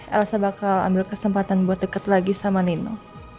elsa bakal ambil kesempatan buat dekat lagi sama nino